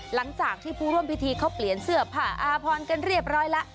หลังจากที่ผู้ร่วมพิธีเขาเปลี่ยนเสื้อผ้าอาพรกันเรียบร้อยแล้ว